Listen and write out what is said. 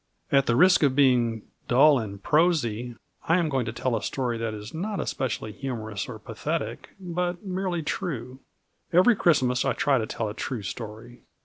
At the risk of being dull and prosy, I am going to tell a story that is not especially humorous or pathetic, but merely true. Every Christmas I try to tell a true story.